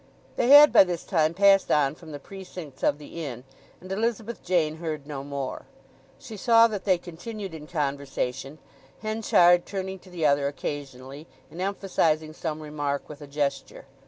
They had by this time passed on from the precincts of the inn, and Elizabeth Jane heard no more. She saw that they continued in conversation, Henchard turning to the other occasionally, and emphasizing some remark with a gesture.